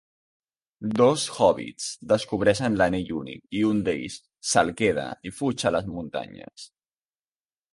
Dos hòbbits descobreixen l'Anell Únic i un d'ells se'l queda i fuig a les muntanyes.